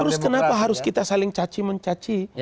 terus kenapa harus kita saling caci mencaci